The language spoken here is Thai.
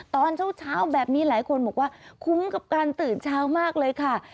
ตอนเช้าแบบนี้หลายคนบอกว่าคุ้มกับการตื่นเช้ามากเลยค่ะ